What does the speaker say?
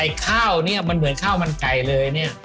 ข้าวเนี่ยมันเหมือนข้าวมันไก่เลยเนี่ย